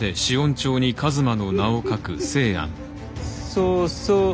そうそう。